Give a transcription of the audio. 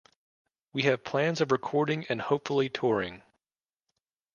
We have plans of recording and hopefully touring.